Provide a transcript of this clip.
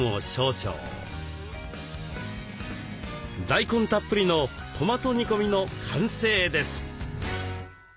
大根たっぷりのトマト煮込みの完成です。